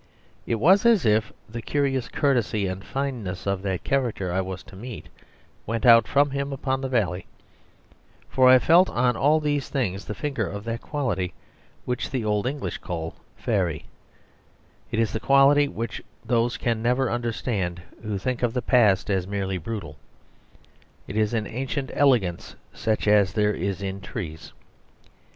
It was as if the curious courtesy and fineness of that character I was to meet went out from him upon the valley; for I felt on all these things the finger of that quality which the old English called "faërie"; it is the quality which those can never understand who think of the past as merely brutal; it is an ancient elegance such as there is in trees.